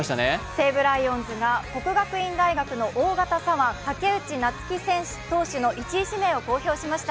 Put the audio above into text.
西武ライオンズが国学院大学の大型左腕、武内夏暉投手の１位指名を公表しました。